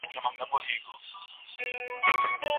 که په موټرو کي لوړ غږ موسیقي نه وي، نو مسافر نه ځوریږي.